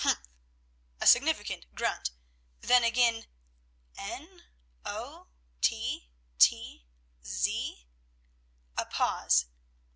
A significant grunt; then again, "N O T T Z;" a pause.